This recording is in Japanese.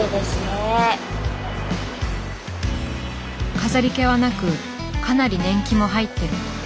飾り気はなくかなり年季も入ってる。